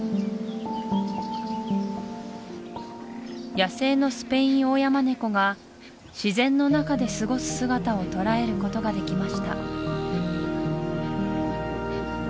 野生のスペインオオヤマネコが自然の中で過ごす姿をとらえることができました